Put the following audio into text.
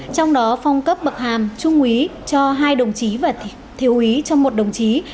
trong đó phong cấp bậc hàm trung úy cho hai đồng chí và thiếu ý cho một đồng chí